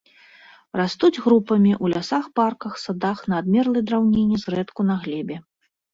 Растуць групамі ў лясах, парках, садах на адмерлай драўніне, зрэдку на глебе.